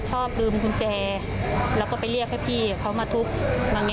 ชอบลืมกุญแจแล้วก็ไปเรียกให้พี่เขามาทุบ